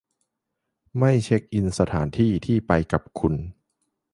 ไม่เช็กอินสถานที่ที่ไปกับคุณ